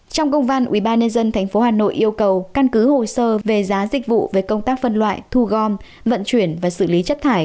trong công văn ubnd tp hà nội yêu cầu căn cứ hồ sơ về giá dịch vụ về công tác phân loại thu gom vận chuyển và xử lý chất thải